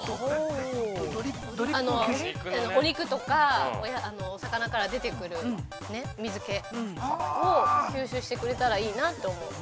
◆お肉とかお魚から出てくる、水気を吸収してくれたらいいなと思う。